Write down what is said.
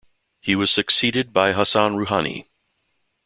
He was succeeded by Hassan Rouhani.